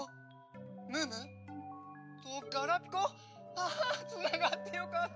ああつながってよかった。